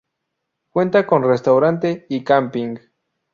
Cuenta con restaurante y camping.